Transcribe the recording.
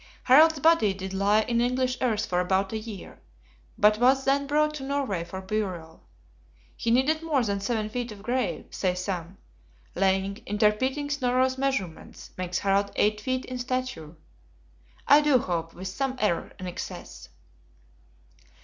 Harald's body did lie in English earth for about a year; but was then brought to Norway for burial. He needed more than seven feet of grave, say some; Laing, interpreting Snorro's measurements, makes Harald eight feet in stature, I do hope, with some error in excess!